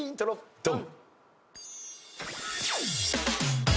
ドン！